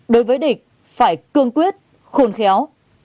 đối với địch phải cương quyết khôn khéo